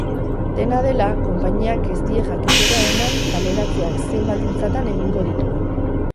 Dena dela, konpainiak ez die jakitera eman kaleratzeak zein baldintzatan egingo dituen.